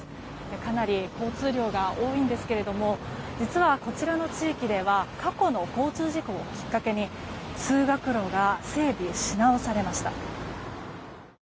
かなり交通量が多いんですけども実は、こちらの地域では過去の交通事故をきっかけに通学路が整備し直されました。